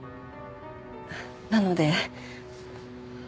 なので。